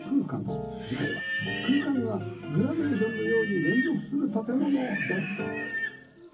次回は空間がグラデーションのように連続する建物です